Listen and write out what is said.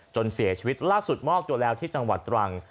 จนเสียชีวิตล่าสุดมอบตัวแล้วที่จังหวัดตรัง